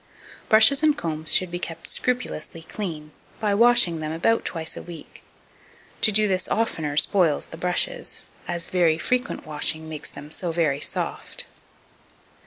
Brushes and combs should be kept scrupulously clean, by washing them about twice a week: to do this oftener spoils the brushes, as very frequent washing makes them so very soft.